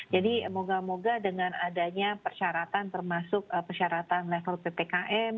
jadi moga moga dengan adanya persyaratan termasuk persyaratan level ppkm